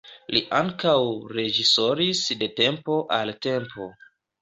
Li ankaŭ reĝisoris de tempo al tempo.